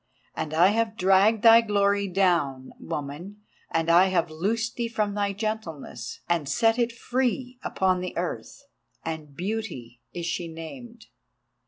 And I have dragged thy glory down, woman, and I have loosed thee from thy gentleness, and set it free upon the earth, and Beauty is she named.